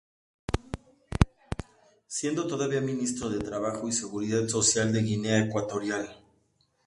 Siendo todavía ministro de Trabajo y Seguridad Social de Guinea Ecuatorial.